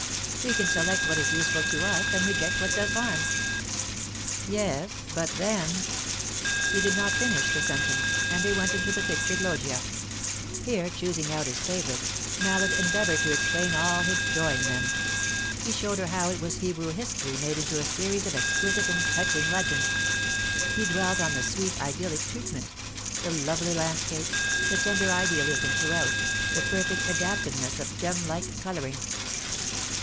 "We can select what is useful to us, and reject what does harm." "Yes; but then " He did not finish the sentence, and they went into the pictured Loggia. Here, choosing out his favourites, Mallard endeavoured to explain all his joy in them. He showed her how it was Hebrew history made into a series of exquisite and touching legends; he dwelt on the sweet, idyllic treatment, the lovely landscape, the tender idealism throughout, the perfect adaptedness of gem like colouring.